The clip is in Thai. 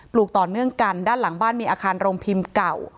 ลูกต่อเนื่องกันด้านหลังบ้านมีอาคารโรงพิมพ์เก่า